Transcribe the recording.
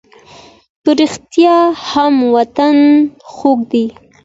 په رښتیا هم وطن خوږ دی.